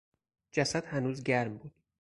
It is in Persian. جسد هنوز گرم بود.